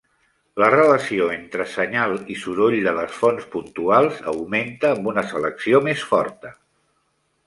La relació entre senyal i soroll de les fonts puntuals augmenta amb una selecció més forta.